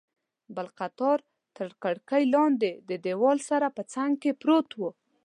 بل قطار تر کړکۍ لاندې، د دیوال سره په څنګ کې پروت و.